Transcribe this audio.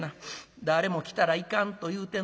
誰も来たらいかんと言うてんのに。